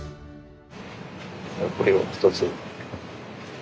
これを一つ。